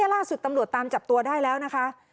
ล่าสุดตำรวจตามจับตัวได้แล้วนะคะ